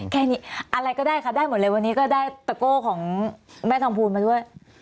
แค่นี้อะไรก็ได้คะได้หมดเลยวันนี้ก็ได้ตะโก้ของแม่ทองพูนมาด้วย